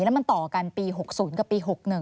แล้วมันต่อกันปี๖๐กับปี๖๑